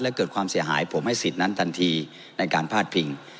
และเกิดความเสียหายผมให้สิทธิ์นั้นทันทีในการพาดพิง